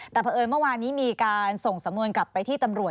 แต่เพราะเอิญเมื่อวานนี้มีการส่งสำนวนกลับไปที่ตำรวจ